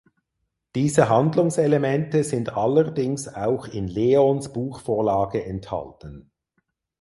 Diese Handlungselemente sind allerdings auch in Leons Buchvorlage enthalten.